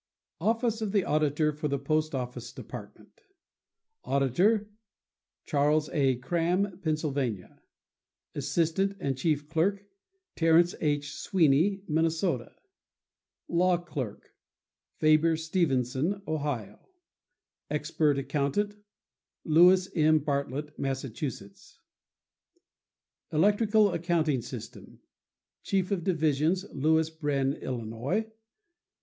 OFFICE OF THE AUDITOR FOR THE POST OFFICE DEPARTMENT Auditor.—Charles A. Kram, Pennsylvania. Assistant and Chief Clerk.—Terrence H. Sweeney, Minnesota. Law Clerk.—Faber Stevenson, Ohio. Expert Accountant.—Lewis M. Bartlett, Massachusetts. Electrical Accounting System.— Chiefs of Division.— Louis Brehm, Illinois.